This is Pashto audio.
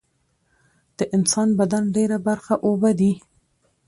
د انسان بدن ډیره برخه اوبه دي